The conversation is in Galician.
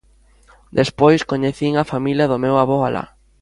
Despois, coñecín a familia do meu avó alá.